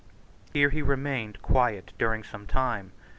Here he remained quiet during some time.